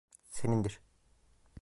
Senindir.